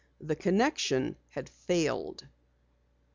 The connection had failed.